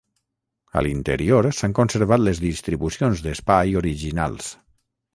A l'interior s'han conservat les distribucions d'espai originals.